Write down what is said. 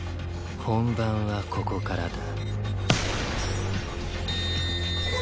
本番はここからだ。